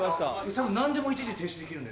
多分何でも一時停止できるんで。